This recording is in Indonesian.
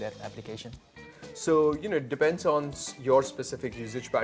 jadi itu bergantung pada pattern penggunaan yang spesifik anda